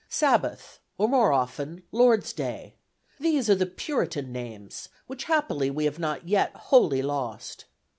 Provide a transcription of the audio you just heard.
Sabbath, or more often Lord's Day: these are the Puritan names, which happily we have not yet wholly lost.